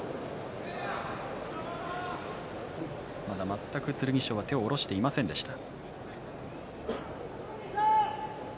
剣翔は全くまだ手を下ろしていませんでした。